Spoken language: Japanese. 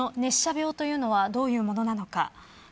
熱射病というのはどういうものなのか。